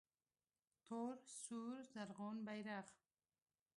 تور سور زرغون بیرغ